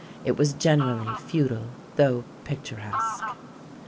It was generally futile although picturesque.